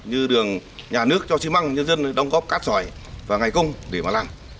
như đường nhà nước cho xi măng nhân dân đóng góp cát sỏi và ngày công để mà làm